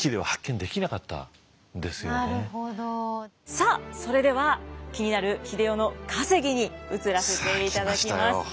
さあそれでは気になる英世の稼ぎに移らせていただきます。